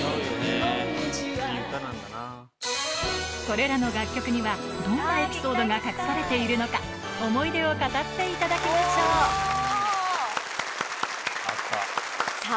これらの楽曲にはどんなエピソードが隠されているのか思い出を語っていただきましょうあった。